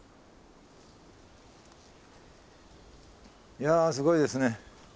いやすごいですね。